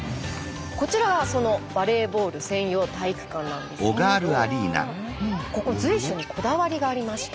こちらがそのバレーボール専用体育館なんですけれどここ随所にこだわりがありまして。